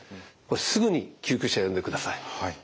すぐに救急車呼んでください。